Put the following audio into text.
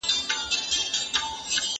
په پښتو ژبه شرعي او عرفي اصول ليکل پکار دي